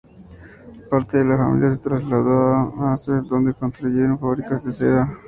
Parte de la familia se trasladó a Manresa donde construyeron fábricas de seda.